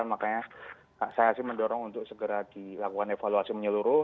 makanya saya sih mendorong untuk segera dilakukan evaluasi menyeluruh